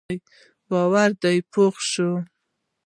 باور دې پوخ شي.